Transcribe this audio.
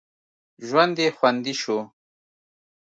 ژوند یې خوندي شو.